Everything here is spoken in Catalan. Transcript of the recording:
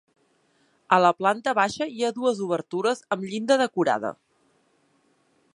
A la planta baixa hi ha dues obertures amb llinda decorada.